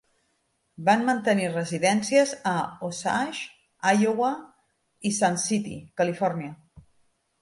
Van mantenir residències a Osage, Iowa i Sun City, Califòrnia.